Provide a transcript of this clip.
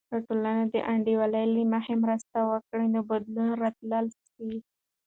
که ټولنه د انډول له مخې مرسته وکړي، نو بدلون راتللی سي.